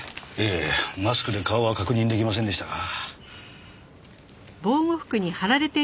ええマスクで顔は確認できませんでしたが。